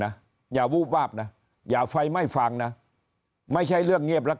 อย่าวูบวาบนะอย่าไฟไม่ฟังนะไม่ใช่เรื่องเงียบแล้ว